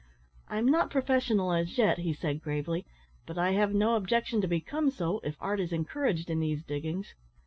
"I'm not professional as yet," he said, gravely; "but I have no objection to become so if art is encouraged in these diggings."